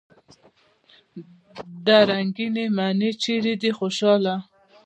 دا رنګينې معنی چېرې دي خوشحاله!